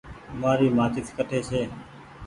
مآري مآچيس ڪٺي ڇي۔